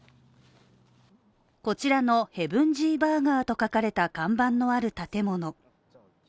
こちらの「ヘブンＧバーガー」と書かれた看板のある建物。